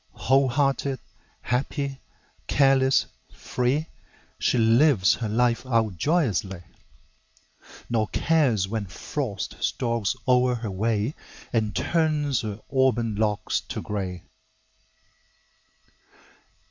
Whole hearted, happy, careless, free, She lives her life out joyously, Nor cares when Frost stalks o'er her way And turns her auburn locks to gray.